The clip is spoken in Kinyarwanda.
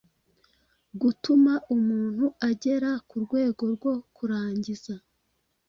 gutuma umuntu agera ku rwego rwo kurangiza.